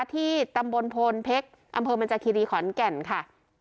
ที่ตำบลโพนเพชรอำเภอบรรจาคิรีขอนแก่นค่ะ